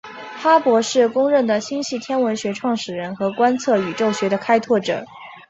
哈勃是公认的星系天文学创始人和观测宇宙学的开拓者。